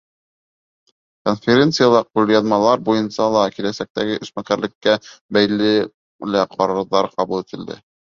Конференцияла ҡулъяҙмалар буйынса ла, киләсәктәге эшмәкәрлеккә бәйле лә ҡарарҙар ҡабул ителде.